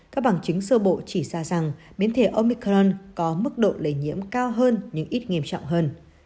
các bằng chứng sơ bộ chỉ ra rằng biến thể omicron có mức độ lây nhiễm cao hơn nhưng ít nghiêm trọng hơn